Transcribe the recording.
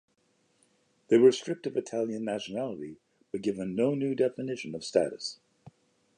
They were stripped of Italian nationality but given no new definition of status.